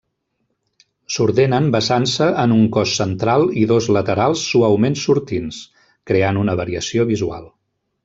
S'ordenen basant-se en un cos central i dos laterals suaument sortints, creant una variació visual.